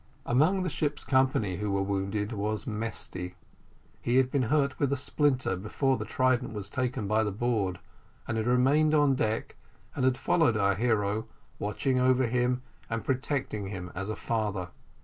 Among the ship's company who were wounded was Mesty: he had been hurt with a splinter before the Trident was taken by the board, but had remained on deck, and had followed our hero, watching over him and protecting him as a father.